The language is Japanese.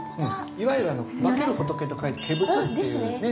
いわゆる化ける仏と書いて化仏っていうね。